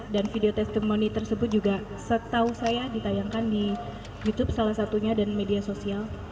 dan video testimoni tersebut juga setahu saya ditayangkan di youtube salah satunya dan media sosial